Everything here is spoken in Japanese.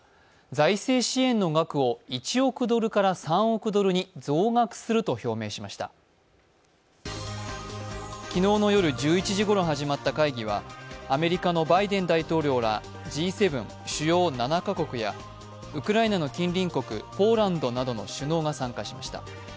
財政支援の額を１億ドルから３億ドルに増額すると表明しました昨日の夜１１時ごろ始まった会議はアメリカのバイデン大統領らＧ７＝主要７か国やウクライナの近隣国ポーランドなどの首脳が参加しました。